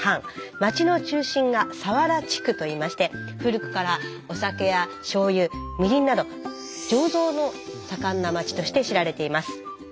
町の中心が佐原地区といいまして古くからお酒やしょうゆみりんなど醸造の盛んなまちとして知られています。